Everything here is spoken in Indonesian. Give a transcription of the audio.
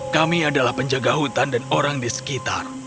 kami adalah penjaga hutan dan orang di sekitar